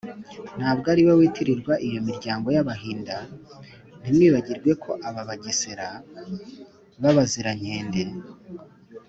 ntabwo ariwe witirirwa iyo miryango y’abahinda. ntimwibagirwe ko aba bagesera b’abazirankende